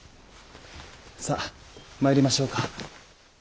さっ参りましょうか。